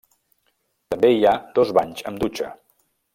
També hi ha dos banys amb dutxa.